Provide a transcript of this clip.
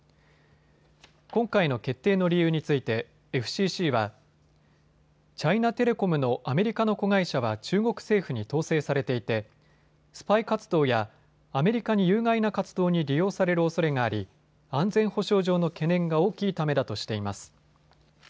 今回の決定の理由についてＦＣＣはチャイナテレコムのアメリカの子会社は中国政府に統制されていてスパイ活動やアメリカに有害な活動に利用されるおそれがあり安全保障上の懸念が大きいためだとしています。